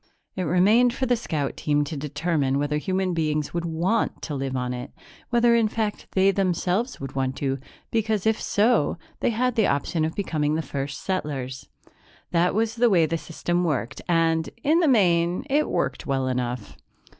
It remained for the scout team to determine whether human beings would want to live on it whether, in fact, they themselves would want to, because, if so, they had the option of becoming the first settlers. That was the way the system worked and, in the main, it worked well enough.